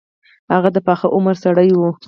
هغه د پاخه عمر سړی وو.